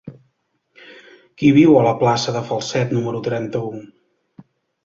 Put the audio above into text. Qui viu a la plaça de Falset número trenta-u?